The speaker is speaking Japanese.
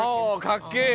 かっけぇ！